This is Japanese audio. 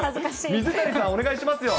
水谷さん、お願いしますよ。